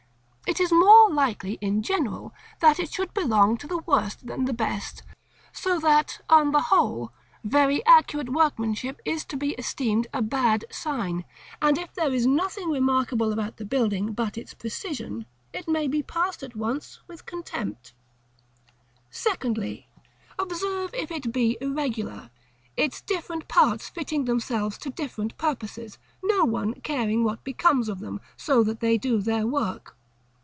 It is more likely, in general, that it should belong to the worst than the best: so that, on the whole, very accurate workmanship is to be esteemed a bad sign; and if there is nothing remarkable about the building but its precision, it may be passed at once with contempt. § CXII. Secondly. Observe if it be irregular, its different parts fitting themselves to different purposes, no one caring what becomes of them, so that they do their work.